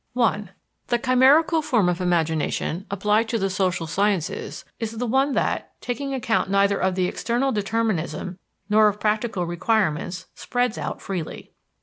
I The chimerical form of imagination, applied to the social sciences, is the one that, taking account neither of the external determinism nor of practical requirements, spreads out freely.